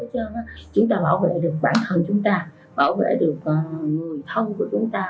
cho chúng ta bảo vệ được bản thân chúng ta bảo vệ được người thân của chúng ta